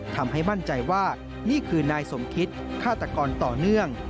ทำให้มั่นใจว่านี่คือนายสมคิตฆาตกรต่อเนื่อง